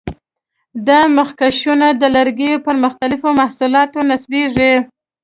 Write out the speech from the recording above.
دا مخکشونه د لرګیو پر مختلفو محصولاتو نصبېږي.